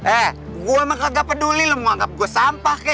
eh gue emang gak peduli lo menganggap gue sampah kek